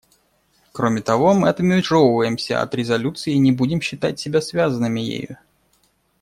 Кроме того, мы отмежевываемся от резолюции и не будем считать себя связанными ею.